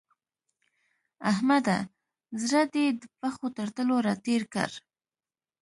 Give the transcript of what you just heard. احمده! زړه دې د پښو تر تلو راتېر کړ.